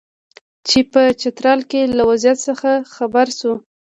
چې په چترال کې له وضعیت څخه خبر شو.